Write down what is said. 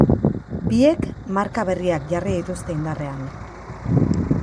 Biek marka berriak jarri dituzte indarrean.